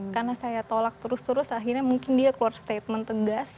karena saya tolak terus terus akhirnya mungkin dia keluar statement tegas